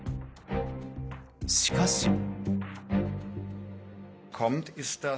しかし。